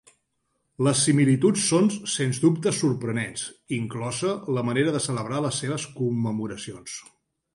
Les similituds són sens dubte sorprenents, inclosa la manera de celebrar les seves commemoracions.